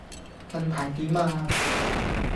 近排點呀